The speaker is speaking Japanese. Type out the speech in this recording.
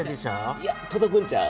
いやとどくんちゃう？